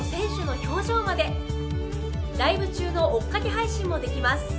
ライブ中の追っかけ配信もできます。